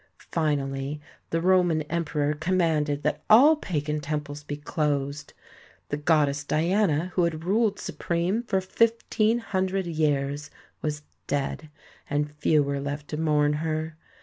Finally the Roman Emperor commanded that all pagan temples be closed. The goddess Diana, who had ruled supreme for fifteen hundred years, was dead, and few were left to mourn her.